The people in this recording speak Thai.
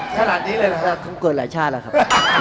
ชะหัสนี้เลยหรอครับผมเกิดหลายชาติแล้วครับ